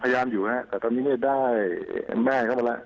พยายามอยู่ครับแต่ตอนนี้ได้แม่เข้ามาแล้ว